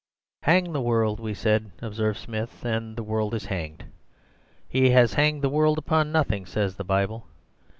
"'Hang the world, we said,' observed Smith, 'and the world is hanged. "He has hanged the world upon nothing," says the Bible.